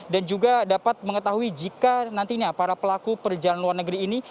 dan juga dapat mengetahui jika nantinya para pelaku perjalanan luar negeri ini